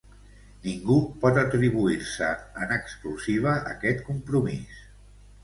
Ningú pot atribuir-se en exclusiva aquest compromís.